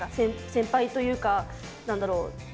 先輩というか何だろう。